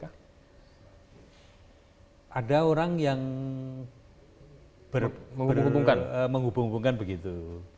ada orang yang menghubungkan begitu